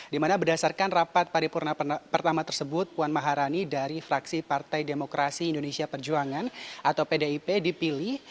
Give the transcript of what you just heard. dimana berdasarkan rapat paripurna pertama tersebut puan maharani dari fraksi partai demokrasi indonesia perjuangan atau pdip dipilih